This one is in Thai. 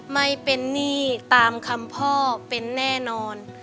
ไม่เป็นหนี้ตามคำพ่อเป็นแน่นอน